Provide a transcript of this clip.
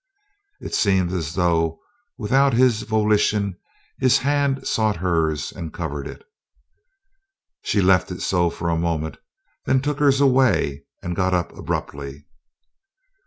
It seemed as though without his volition his hand sought hers and covered it. She left it so for a moment, then took hers away and got up abruptly.